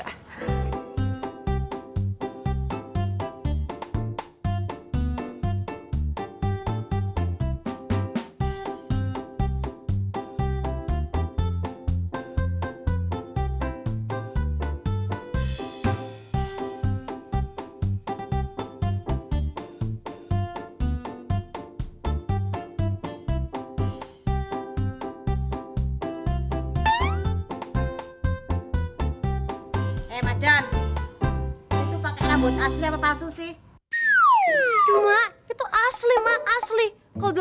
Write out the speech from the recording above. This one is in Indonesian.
hai mada itu pakai rambut asli apa palsu sih cuma itu asli maaf asli kode